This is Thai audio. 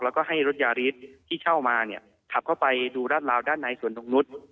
แล้วก็ให้รถยาริสที่เช่ามาเนี่ยขับเข้าไปดูราดราวด้านในสวนตรงนุษย์